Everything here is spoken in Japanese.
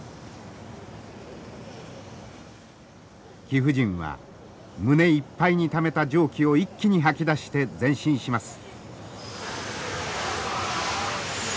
貴婦人は胸いっぱいにためた蒸気を一気に吐き出して前進します。